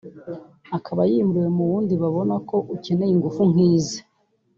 akaba yimuriwe mu wundi babona ko ukeneye ingufu nk’ize